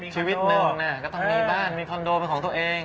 ชีวิตหนึ่งก็ต้องมีบ้านมีคอนโดเป็นของตัวเอง